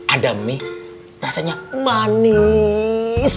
ada mie rasanya manis